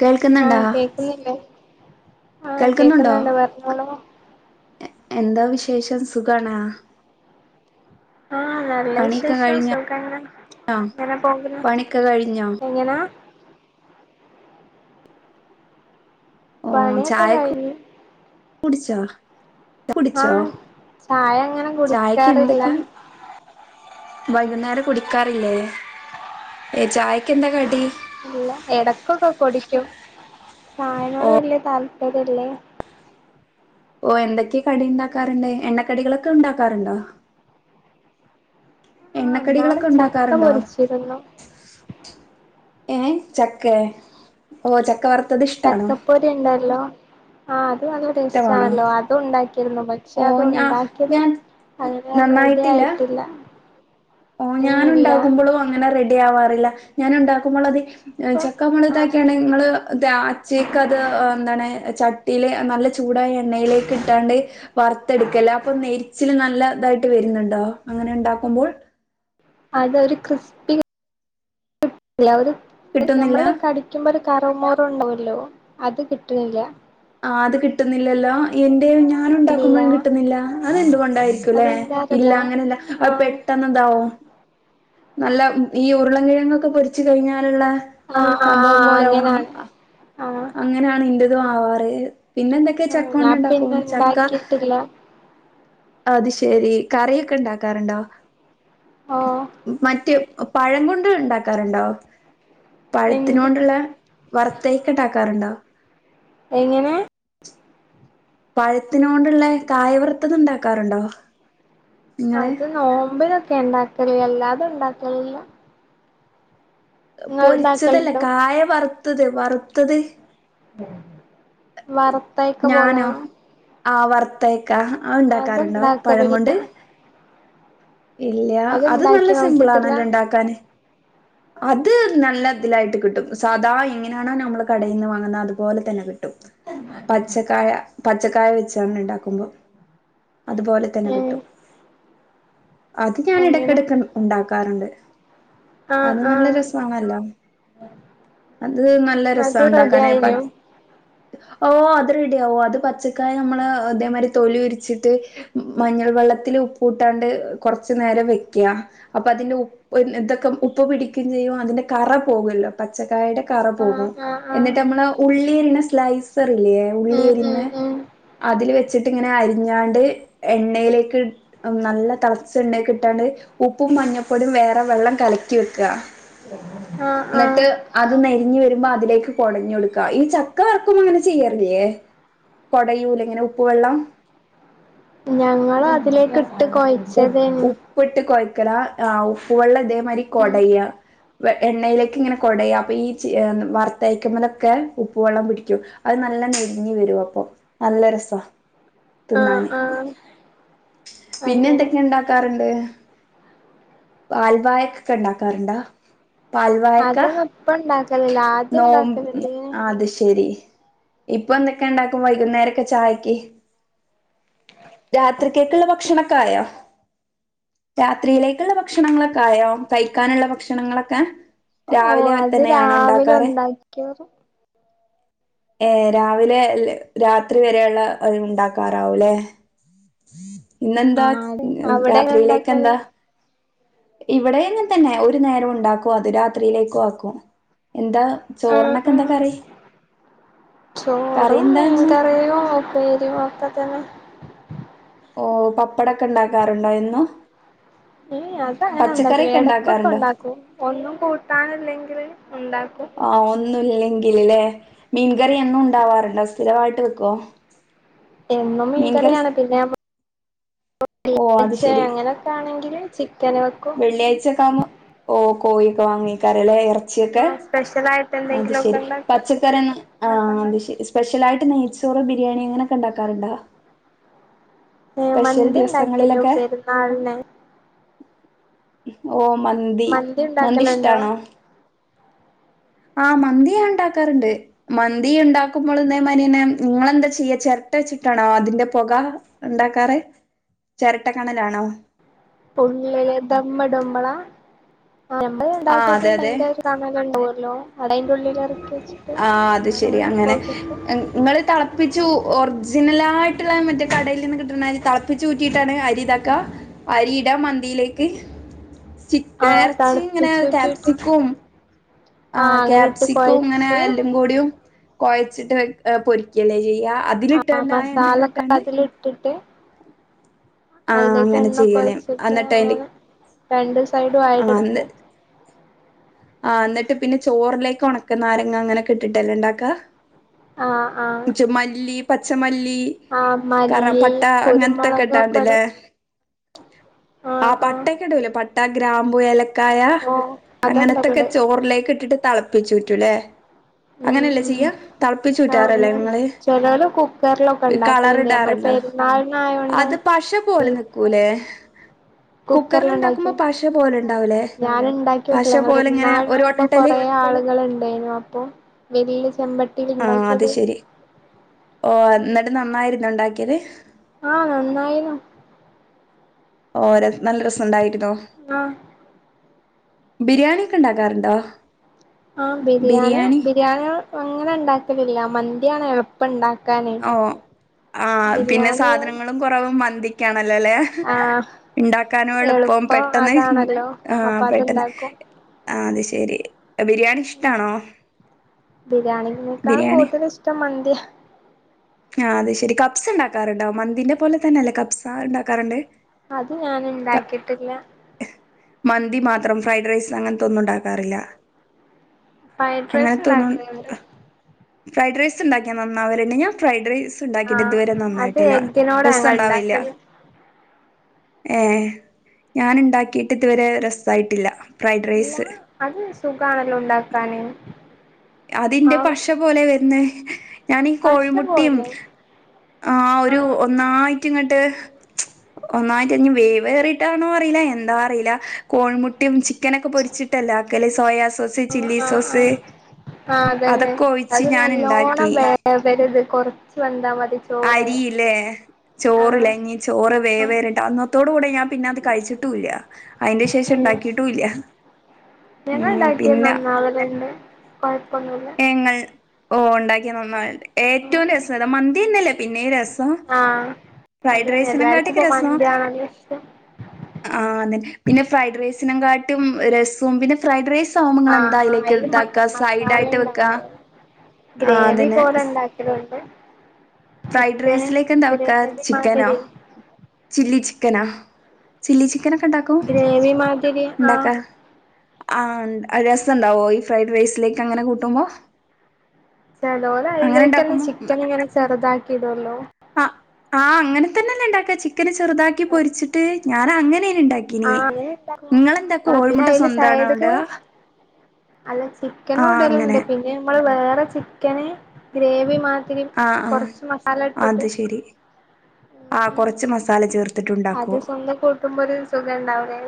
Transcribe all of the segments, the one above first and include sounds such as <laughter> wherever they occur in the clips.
കേൾക്കുന്നുണ്ടാ ആഹ കേക്കുന്നില്ലേ ആഹ കേൾക്കുന്നുണ്ടോ കേക്കുന്ന എന്താ പറഞ്ഞോളു എന്താ വിശേഷം സുഖണാ ആഹ നല്ല വിശേഷം സുഖങ്ങനെ എങ്ങനെ പോകുന്ന പണിയൊക്കെ കഴിഞ്ഞോ എങ്ങനാ പണിയൊക്കെ കഴിഞ്ഞു കുടിച്ച കുടിച്ചോ ആഹ് ചായ അങ്ങനെ ചായക്ക് കുടിക്കാറില്ല എന്തൊക്കെ വൈകുന്നേരം കുടിക്കാറില്ലേ ഏ ചായക്ക് എന്താ കടിി ഇല്ല എടക്കൊക്കെ കുടിക്കും ചായനോട് ഓ വല്ിയ താല്പര്യം അതല്ലേ ഓ എന്തൊക്കെയ കടി ഉണ്ടാക്കാറുണ്ട് എണ്ണക്കടികളൊക്കെ ഉണ്ടാക്കാറുണ്ടോ ആഹ് ഇന്നാള് എണ്ണക്കടികളൊക്കെ ചക്ക ഉണ്ടാക്കാറുണ്ടോ പൊരിച്ചിരുന്നു ഏഹ ചക്ക ഓ ചക്ക വർത്ത ചക്കപ്പൊരി ഉണ്ടല്ലോ ആ അത്ും അല്ല ഇഷ്ടമാണോ ടേസ്റ്റാണല്ലോ അതും ഉണ്ടാക്കി രുന്നു പക്ഷെ ഓ അത് ഞാ ഉണ്ടാക്കിയത് ഞാൻ അങ്ങനെ റെഡി നന്നായിട്ടില്ല ആയിട്ടില്ല ഓ ഞാാന ഏഹ് ഇല്ല ഉണ്ടാക്കുമ്പോളും അങ്ങനെ റെഡി ആവാറില്ല ഞാൻ ഉണ്ടാക്കുമ്പോൾ അത് ചക്ക ആഹ് മുുളത്താക്കിയാണ് നിങ്ങള്ങ്ങള് അച്ചക്ക് അത് എന്താണ് ചട്ടിയില നല്ല ചൂടായ എണ്ണയിലേക്ക് ഇട്ടാണ്ട് വറത്തെടുക്കല്ലേ അപ്പൊ നെരിച്ചില് നല്ല ഇതായിട്ട് വരുന്നുണ്ടോ അങ്ങനെ ഉണ്ടാക്കുമ്പോൾ അതൊരു ക്രിസ്പി കിട്ടുന്നില്ല? നഞമ്മള കടിക്കുമ്പോ ഒരു കറവുമോറ ഉണ്ടല്ലോ അത് കിട്ടുന്നില്ല ആ അത് കിട്ടുന്നില്ലല്ലോ എന്റെ ഞാന ഇല്ല ഉണ്ടാക്കുമ്പോഴും കിട്ടുന്നില്ല അത് ഇണ്ട്ൊണ്ടായിരിക്കുംല്ലെ അതെന്താറില്ല ഇല്ല അങ്ങനെല്ല അ ആഹ് പെട്ടെന്ന്താവോ നല്ല ഈ ഉരുളൻ കിഴങ്ങൊക്കെ പൊരിച്ച് കഴിഞ്ഞാ ുള്ള ആഹ് സംഭവം ആഹ് പോലെകും അങ്ങനാണ് ആഹ് ഇത ആവാറ് പിന്നെ എന്തൊക്കെയ ചക്ക ആഹ് ഞാൻ കൊണ്ടുണ്ടാക്കും പിന്നെ ചക്ക ഇണ്ടാക്കിട്ടില്ല അത് ശെരി കറിയൊക്കെ ഉണ്ടാക്കാറുണ്ടോ ഓഹ് മറ്റ പഴം കൊണ്ട് ഉണ്ടാക്കാറുണ്ടോ എന്ത് പഴത്തിനൊണ്ടുള്ള വറത്ത ണ്ടാകാറുണ്ടോ എങ്ങനെ പഴത്തിന കൊണ്ടുള്ള കായവൃത്തത ഉണ്ടാക്കാറുണ്ടോ നിങ്ങള് അത് നോമ്പിനൊക്കെ ഉണ്ടാക്കരു അല്ലാതും ഉണ്ടാക്കലില്ല പൊരിച്ചതല്ലേ കായ വറുത്തത് വറുത്തത് വറുത്തയക്കെ ഞാനോ പോലാണോ വറുത്തയക്ക ആ ഉണ്ടാക്കാറുണ്ടോ പഴം അത്ണ്ടാക്കലില്ല കൊണ്ട് ഇല്ല അത് നല്ല ഇണ്ടാക്കി സിമ്പിൾ നോക്കിട്ടില്ല ആണല്ല ഉണ്ടാക്കാന് അത് നല്ല ഇതിലായിട്ട് കിട്ടും സാദാ എങ്ങനെയാണോ നമ്മൾ കടയിൽ നിന്ന് വാങ്ങുന്നത് അതുപോലെ തന്നെ കിട്ടും പച്ചക്കായ പച്ചക്കായ വെച്ചാണ് ഉണ്ടാക്കുമ്പോ അതുപോലെ തന്നെ ഏഹ് കിട്ടും അത് ഞാൻ അങ്ങനെ ഇടക്കിടക്ക് ഉണ്ടാക്കാറുണ്ട് ആഹ് അത് നല്ല ആഹ് രസമാണല്ലോ അത് നല്ല അത് രസം റെഡി ഉണ്ടാക്കാനപ്പ ആയിനു ഓ അത് റെഡി ആവോ അത് പച്ചക്കായ നമ്മള് അതേമാ തൊലി ഉരിച്ചിട്ട് മഞ്ഞൾ വെള്ളത്തിൽ ഉപ്പ കൂട്ടാണ്ട് കുറച്ച നേരം വെക്ക അപ്പ അതിന്റെ ഉപ്പ് ഇതൊക്കെ ഉപ്പ് പിടിക്കുക ചെയ്യോ അതിന്റെ കറ പോകല്ല ആഹ് ആഹ് ആഹ് നമ്മ ഉ <inaudible> ഉം ഉം ഉള്ളിന്ന് ഉം അതിൽ വച്ചിട്ട ഇങ്ങനെ അഞ്ഞാണ്ട് എണ്ണയിലേക്ക് നല്ല ണ്ട കിട്ടാണ്ട് ഉപ്പും മഞ്ഞപ്പടും വേറെ വെള്ളം കലക്കി വെക്കുക ആഹ് ആഹ് എന്നിട്ട് അത് നരിഞ്ഞഞ് വരുമ്പോ അതിലേക്ക് കൊടഞ്ഞുൊടുക്ക ഈ ചക്ക വറക്കും അങ്ങനെ ചെയ്യാില്ലേ കൊടൂല ഞങ്ങള അതിലേക്ക് ഇട്ട്യി ഉപ്പ് ഉപ്പിട്ട് കൊയ്ക്കണം ആ ഉപ്പ് വെള്ളം ഇതേമാരി ഉം കൊടയ എണ്ണയിലേക്ക് ഇങ്ങനെ കുടയ അപ്പൊ ഈ വറുത്തയയ്ക്കുമ്പലൊക്കെ ഉപ്പ വെള്ളം പിടിക്കും അത് നല്ല നല്ല നഴങ്ങി വരും അപ്പൊ നല്ല രസ ആഹ ആഹ അ പിന്നെ എന്തൊക്കെ ഉണ്ടാക്കാറുണ്ട് പാൽവായക്കൊക്കെ ഉണ്ടാക്കാറുണ്ടാ പാൽവായക്ക അതൊന്നും ഇപ്പ ഇണ്ടാക്കലില്ല ആദ്യം നോമ്പ ഇണ്ടാക്കലുണ്ട് ഇങ്ങനെ അ അത് ശരി ഇപ്പൊ എന്തൊക്കെ ഉണ്ടാക്കുമ്പ വൈകുന്നേരൊക്കെ ചായക്ക് രാത്രി കെട്ടുള്ള ഭക്ഷണൊക്കെ ആായോ രാത്രിയിലേക്കുള്ള ഭക്ഷണങ്ങളൊക്കെ ആയോ കഴിക്കാനുള്ള ഭക്ഷണങ്ങളൊക്കെ ഓഹ് രാവിലെ അത് തന്നെയ ആണോ രാവിലെ ഉണ്ടാക്കാറ് ഉണ്ടാക്കിയോറും ഏ രാവിലെ രാത്രി വരെയുള്ള ഉണ്ടാക്കാറാവൂല്ലേ ഇന്നെന്താ അവിടെ എങ്ങനെ രാത്രിയിലേക്ക ഇണ്ടാക്കല് എന്താ? ഇവിടെ എങ്ങെ തന്നെ ഒരു നേരം ഉണ്ടാക്കും. അത് രാത്രിയിലേക്കും ആക്കും. എന്താ ആഹ് ചോറിനൊക്കെ എന്താ ആഹ് കറി കറി എന്താ ഇന്ന് പേരി വത്ത തന്നെ ഓ പപ്പടൊക്കെ ഉണ്ടാക്കാറുണ്ടോ എന്നും ഏ അത അങ്ങനെ ഉണ്ടാക്കലില്ല. പച്ചക്കറിയൊക്കെ ഇട ക്കൊക്കെ ഉണ്ടാക്കാറുണ്ടോ ഉണ്ടാക്കും ഒന്നും കൂട്ടാനില്ലെങ്കിൽ ഉണ്ടാക്കും. ആ ഒന്നുംല്ലെങ്കിൽല്ലേ മീൻകറി എന്നും ഉണ്ടാവാറുണ്ടോ സ്ഥിരമായിട്ട് വെക്കുവോ? എന്നും മീൻകറി സ് മീൻകറിയാണ് പിന്നെ ഓ അങ്ങനെയൊക്കെ ആണെങ്കിൽ വെള്ളിയാഴ്ച ഒക്കെ ആവുമ്പോ ഓ കോഴിയ ഒക്കെ വാങ്ങിക്കറല്ലേ? ഇറച്ചി ച്ചൊക്കെ ആഹ് സ്പെഷ്യലായിട്ട് അത് എന്തെങ്കിലുമൊക്കെ ശരി ഉണ്ടാക്കും പച്ചക്കറിയൊന്നും ആ അത് ശരി സ്പെഷ്യൽ ആയിട്ട് നെയ്ച്ചോറ് ബിരിയാണി അങ്ങനെയൊക്കെ ഉണ്ടാക്കാറുണ്ടാ? ഏ മന്തി ഉണ്ടാക്കീനു പെരുന്നാളിന് ഓ മന്തി മന്തി ഇഷ്ടാണോ? ആ മന്തിഞാൻ ഉണ്ടാക്കാറുണ്ട് മന്തി ഉണ്ടാക്കുമ്പോൾഇതേ മാതിരി തന്നെ നിങ്ങെന്താ ചെയ്യാച്ചാ ചട്ട വച്ചിട്ടാണോ അതിന്റെ പുക ഉണ്ടാക്കാറ് ചിരട്ട കണലാണോ? ഉള്ളില് ദമ്മടമ്മളാ ആ അതെ അതെ <unintelligible> ആ അത് ശരി അങ്ങനെ നിങ്ങള് തിളപ്പിച്ചു ഊ ഒറിജിനലായിട്ടുള്ള മറ്റേ കടൽ നിന്ന് കിട്ടുന്ന അരി തിളപ്പിച്ചൂറ്റിയിട്ടാണ്. അരിഉണ്ടാക്ക അരി ഇട മന്തിയിലേക്ക് ആഹ് ഇറച്ചി ഇങ്ങനെ തണുപ്പിച്ചൂറ്റിയിട്ട് കാപ്സിക്കും. ആ ആഹ് അങ്ങനെ ഇട്ട് ക്യാപ്സിക്കും ഇങ്ങനെ കൊഴച്ച് എല്ലും കൂടിയും കുഴച്ചിട്ട് പൊരി ക്കില്ലേചെയ്യാ യ്യാ അതിലിട്ട് ആഹ് തന്നെ ആ എണ്ണലി ട്ട് മസാലൊക്കെ തന്നെ അതിലിട്ടിട്ട് അതിലേക്ക് അങ്ങനെ എണ്ണൊക്കെ ഒഴി ചെയ്യലേ ച്ചിട്ട് എന്നിട്ട് അങ്ങനെ അതിന്റെ അങ്ങനെ രണ്ടു സൈഡും ആയിടെടുക്കും. ആഹ എന്നിട്ട് പിന്നെ ചോറിലേക്ക് ഉണക്ക നാരങ്ങ അങ്ങനെൊക്കെ ഇട്ടിട്ടല്ലേ ഇണ്ടാക്കാ. ആഹ് ആഹ് മല്ലി പച്ചമല്ലി ആഹ് കറ മല്ലി പട്ട അങ്ങനത്തൊക്കെ കുരുമുളകൊക്കെ ഇടും ഇട്ടാണ്ടല്ലേ ആ ആഹ് ആഹ് പട്ടക്കെടല്ല പട്ട ഗ്രാമ്പു ഏലക്ക കായ ഓഹ് അതൊക്കെ അങ്ങനത്തൊക്കെ ഇടലുണ്ട് ചോറിലേക്ക് ഇട്ടിട്ട് തിളപ്പിച്ചു ഊറ്റുല്ലേ? ഉം അങ്ങനെയല്ലേ ഉം ചെയ്യ തിളപ്പിച്ചു ഊറ്റു ആഹ് അങ്ങനെ ലിങ്ങള് ചെലോല് കുക്കറിലൊക്കെ ഉണ്ടാക്കലുണ്ട് നമ്മൾ കളരിടാറുണ്ടോ പെരുന്നാളിനായോണ്ട് അത് പശ പോലത്തെ നക്കൂലെ കുക്കറിൽ ഉണ്ടാക്കിയ പോലെ ഉണ്ടാവൂലേ ഞാൻ ഉണ്ടാക്കി പശ വെക്കില്ല ങ്ങള് പെ പോലെ ഇങ്ങനെ ഒരു രുന്നാളിനുമ്പോ ഒട്ടല് കൊറ- ആളുകളുമായി നു അപ്പൊ വലിയ ആ അത് ശെരി ഓ എന്നിട്ട് നന്നായിരുന്നു ഉണ്ടാക്കിയത്. ആ നന്നായിരുന്നു ഓ ര നല്ല രസമുണ്ടായി ആ ബിരിയാണിയൊക്കെ ഉണ്ടാക്കാറുണ്ടോ? ആ ബിരിയാണി ബിരിയാണിയ അങ്ങനെ ഉണ്ടാക്കലില്ല മന്തിയാണ് എളുപ്പണ്ടാക്ക. ക്കാന ഓ ആഹ് ബിരിയാണി നല്ലല്ലേ ആഹ് ഉണ്ടാക്കാനുംഎ ളുപ്പം എളുപ്പം പെട്ടെന്ന് അതാണല്ലോ ആ അപ്പൊ പെട്ടെന്ന് അത്ണ്ടാക്കും ആ അത് ശെരി ബിരിയാണി ഇഷ്ടാണോ ബിരിയാണി നിക്കാള് കൂടുതല് ഇഷ്ടം മന്തിയാ ആ അതെ ശരി കപ്സ് ഉണ്ടാക്കാറുണ്ടോ മന്തിനെ പോലെ തന്നെ അല്ലേ കപ്സഉണ്ടാക്കാറുണ്ട് അത് ഞൻ ഉണ്ടാക്കിട്ടില്ല. മന്തി മാത്രം ഫ്രൈഡ് റൈസ് അങ്ങനത്തൊന്നും ഉണ്ടാക്കാറില്ല. ഫൈഡ് റൈസ് അങ്ങനത്തൊന്നും ഉണ്ടാക്കലുണ്ട്. ഫ്രൈഡ് റൈസ് ഉണ്ടാക്കിയ നന്നാവലു ണ്ട് ഞാൻ ഫ്രൈഡ് റൈസ് സ് ഉണ്ടാക്കിട്ട് ആഹ് ഇതുവരെ അത് നന്നായിട്ടില്ല എഗ്ഗിനോടാ രസം ഞങ്ങൾ ഉണ്ടാവില്ല. ഉണ്ടാക്കല് ഏ ഞാൻ ഉണ്ടാക്കിട്ട് ഇതുവരെ രസായിട്ടില്ല ഫ്രൈഡ് ഇല്ലാ റൈസ് അത് സുഖാണല്ലോ ഉണ്ടാക്കാന് അതിന്റെ ആഹ് പശ പോലെ വരുന്നെ ഞാനീ പശ കോഴിമുട്ടയും പോലെ ആ ഒരു ആഹ് ഒന്നായിട്ട് ഇങ്ങോട്ട് ഒന്നായിട്ട് ഇനി വേവേറിയിട്ടാണോ അറിയില്ല എന്താ അറിയില്ല കോഴിമുട്ടിയും ചി ചിക്കനൊക്കെ പൊരിച്ചിട്ടല്ലേ ആക്കല് സോയാ സോസ് ചില്ലി സോസ് ആ അതന്നെ അതൊക്കെ ഒഴിച്ച് അത് ഞാൻ നല്ലോണ്ണം ഇണ്ടാക്കി വേവരുത് കൊറച്ച് വെന്താ മ അരിയില്ലേ ആഹ് ചോറില്ലങ്ങി ചോറ് വേവേറിട്ട് അന്നത്തോട കൂടെ ഞാൻ പിന്നെ അത് കഴിച്ചിട്ടൂല്ല അതിന്റെ ശേഷം ഉണ്ടാക്കിട്ടുല്ല്യ ഉം പിന്നെ കുഴപ്പൊന്നുല്ല ഞങ്ങൾ ഓ ഉണ്ടാക്കിയ നന്നായിണ്ട് ഏറ്റവും രസം അത് മന്തി തന്നല്ലേ പിന്നെ രസം ആഹ് ഫ്രൈഡ് അതന്നെ റൈസിനെ എല്ലാർക്കും കാട്ടിയൊക്ക ഇപ്പൊ രസോ മന്തിയാണല്ലോ ഇഷ്ടം ആ അതേ പിന്നെ ഫ്രൈഡ് റൈസിനെ കാട്ടിയും രസവും പിന്നെ ഫ്രൈഡ് റൈസ് സാവുമ്പൊ ഇങ്ങൾ എന്താ ആഹ് അതിലേക്ക് അയില് മ ഇതാക്കുക സൈട് മസാല ആയിട്ട് ഗ്രേവി പോലെ ഉണ്ടാക്കല് ഉണ്ട് ഫ്രൈഡ് റൈസിലേക്ക് എന്താ വക്ക ചിക്കനോ മാതിരി ചില്ലി ചിക്കനോ ചില്ലി ചിക്കൻ ഒക്കെ ഇണ്ടാക്കോ ഗ്രേവി മാതിരി ഉണ്ടാക്ക ആഹ് ആ രസണ്ടാവോ ഈ ഫ്രൈഡ് റൈസിലേക്ക് അങ്ങനെ കൂട്ടുമ്പോ ചിലോരു അങ്ങനെ അതിലേക്കന്ന ഉണ്ടാക്കുമ്പോ ചിക്കൻ ഇങ്ങനെ ചെറുതാക്കിടുവല്ലോ ആ ആ അങ്ങനെ തന്നെന്ന ഇണ്ടാക്ക ചിക്കന് ചെറുതാക്കി പൊരിച്ചിട്ട് ഞാൻ അങ്ങനെ ണ്ടാക്കിനി ആഹ് അങ്ങനെ ഉണ്ടാക്കും നിങ്ങളെന്താക്കും ആഹ് പിന്നെ കോയിഴിമുട്ട അയില് സ്വന്തണോണ്ട സൈഡ്ക്ക് അല്ല ചിക്കന് ആ ഉണ്ട് അതുണ്ട് പിന്നെ നമ്മൾ വേറെ ചിക്കന് ഗ്രേവി മാ തിരി ആ ആ കൊറച്ച് മസാല ഇട്ടിട്ട് അത് ശരി ആ കൊറച്ച് മസാല ചേർ അത് സ്വന്തം കൂട്ടുമ്പോ ഒരു സുഖം ഇണ്ടാവൂല്ലേ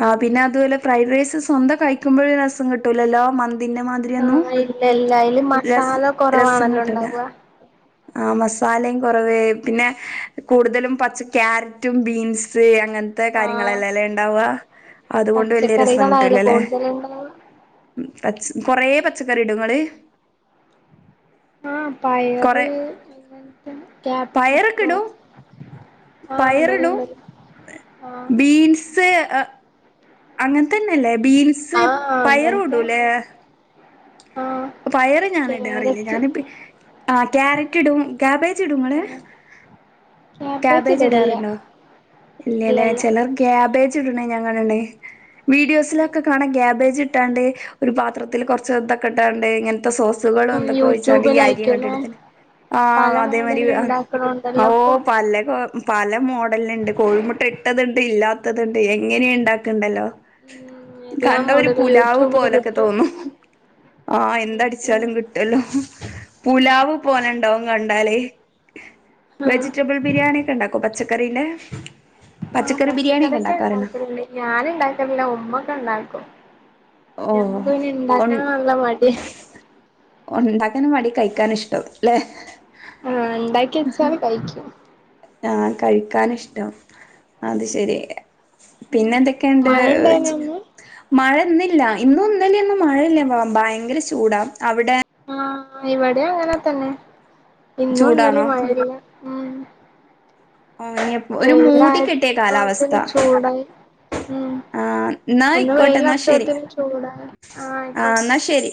ആ പിന്നെ അതുമല്ല ഫ്രൈഡ് റൈസ് സ്വന്തം കഴിക്കുമ്പഴൊരുരസം കിട്ടൂല്ലല്ലോ മൻ ന്തിന്റെ ആഹ് മാതിരിയൊന്നും ഇല്ല ഇല്ല അയില് രസ മസാല രസം കൊറവാണല്ലോ കിട്ടുല്ല ഇണ്ടാവ ആ മസാലയും കുറവ് പിന്നെ കൂടുതലും പച്ച ക്യാരറ്റും ബീൻസ് അങ്ങനത്തെ കാര്യങ്ങൾ ആഹ് ല്ലല്ലേ ഉണ്ടാവ അതുകൊണ്ട് വലിയ രസം പച്ചക്കറികളായാലും കിട്ടൂലല്ലേ കൂടുതല് ഇണ്ടാവ പ കൊറെ പച്ചക്കറി ഇടും ഇങ്ങള് ആ പയറ് പയറൊക്കെ ക്യാപ്സിക്കവും ഇടും പയറിടും ആഹ് ബീൻസ് ആ അങ്ങനെത്തന്നെല്ലേ ബീൻസ് ആഹ് പയറു അങ്ങനത്തെ ഇടൂല്ലേ ആഹ് പയറ് ഞാനിടാറില്ലേ ക്യാരറ്റ് ഞാനിപ്പ ആ ക്യാരറ്റ് ഇടും കാബേജ് ഇടും ങ്ങള് ആഹ് ക്യാബേജ് കാബേജ് ഇടലില്ല ഇടാറുണ്ടോ ഇല്ല്യല്ലേ ഇല്ലല്ല ചിലർ ക്യാ കാബേജ് ഇടണെ ഞാൻ കണ്ടിണ്ട് വീഡിയോസിലൊക്കെ കാണ കാബേജ് ഇട്ടാണ്ട് ഒരു പാത്രത്തിൽ കുറ ചോതോക്കെട്ടാണ്ട് ഇങ്ങനത്തെ സോസുകൾ ഉം എന്തൊക്കെ ഒഴിച്ചാണ്ട് ഈ അരിയങ്ങോട്ട് യൂട്യൂബിലായിക്കുംല്ലേ എടുത്തിടും ആ പല അതേമാരി മോഡല് ഓ ഇണ്ടാക്കണുണ്ടല്ലോ ഇപ്പൊ പല്ലെ പല മോഡല് ഉണ്ട് കോഴിമുട്ട ഇട്ടതുണ്ട് ഇല്ലാത്തത് ണ്ട് എങ്ങനെയ ഉണ്ടാക്കണ്ടല്ലോ ഉം എല്ലാ കണ്ട ഒരു മോഡലും പുലാവ് യൂട്യൂബില് പോലൊക്കെ കിട്ടും തോന്നും ആ ഉം എന്തടിച്ചാലും ഉം കിട്ടുല്ലോ പുലാവ് പോലണ്ടാവും കണ്ടാല് ആഹ് വെജിറ്റബിൾ ബിരിയാണി ഒക്കെ ഉണ്ടാക്കോ പച്ചക്കറീന്റെ ആ പച്ചക്കറി ബിരിയാണി ഒക്കെ പച്ചക്കറിന്റെ ഉണ്ടാക്കാറുണ്ടോ ഉണ്ടാക്കല്ണ്ട് ഞാന് ഉണ്ടാക്കലില്ല ഉമ്മക്കെ ഉണ്ടാക്കും ഓ ഓ ഞമ്മക്ക് പിന്നെ ഒണ് ഇണ്ടാക്കാൻ നല്ല മടിയ ഒണ്ടാ ക്കാനും മടി കഴിക്കാൻ ഇഷ്ടവും അല്ലെ ആ ഉണ്ടാക്കിവച്ചാല് കഴിക്കും ആ കഴിക്കാൻ ഇഷ്ടം അത് ശരിയ പിന്നെ എന്തൊക്കെയുണ്ട് മഴ ഇണ്ടായിനോ ഇന്ന് മഴ ഇന്നില്ല ഇന്നും ഇന്നല ഒന്നും മഴല്ല ഭയങ്കര ചൂട അവിടെ ആ ഇവിടെ അങ്ങനെ തന്നെ ഇന്നും ഒന്നല് ചൂടാണോ മരിയ ഉ ആഹ് ഒരു മൂടി കെട്ടിയ കാലാവസ്ഥ വെങ്കായിരത്തിപ്പത്തന് ചൂടായി ഉം ആഹ് എന്നാ ഒന്ന് ആയിക്കോട്ടെ വെൽ എന്നാ ശരി അസരത്തിനന് ചൂടാ ആഹ ആ ആയിക്കോ എന്നാ ശരി